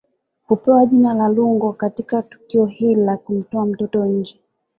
Hupewa jina la Lungo Katika tukio hili la kumtoa mtoto nje